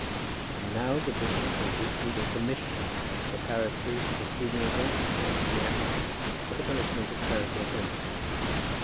And now the bishop has issued a commission as preparatory to proceeding against me under the Act for the punishment of clerical offences.